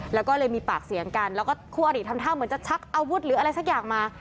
แล้วก็เลยมีปากเสียงกันแล้วก็คู่อริทำท่าเหมือนจะชักอาวุธหรืออะไรสักอย่างมา